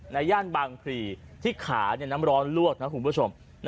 ย่านบางพลีที่ขาน้ำร้อนลวกนะคุณผู้ชม